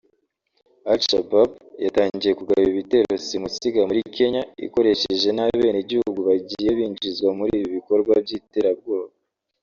Al-Shabab yatangiye kugaba ibitero simusiga muri Kenya ikoresheje n’abenegihugu bagiye binjizwa muri ibi bikorwa by’iterabwoba